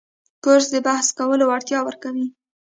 کورس د بحث کولو وړتیا ورکوي.